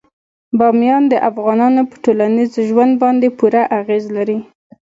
بامیان د افغانانو په ټولنیز ژوند باندې پوره اغېز لري.